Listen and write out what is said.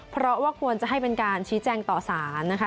เพราะว่าควรจะให้เป็นการชี้แจงต่อสารนะคะ